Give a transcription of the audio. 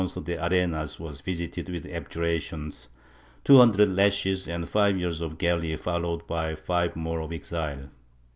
Y] IMPOSTORS 89 Alfonso (le Ai'enas was visited with abjuration, two hundred lashes, and five years of galleys followed by five more of exile.